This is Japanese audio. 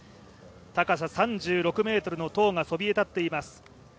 高さ３６ｍの塔がそびえ立っています。